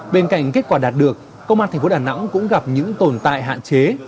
bên cạnh kết quả đạt được công an tp đà nẵng cũng gặp những tồn tại hạn chế